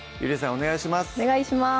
お願いします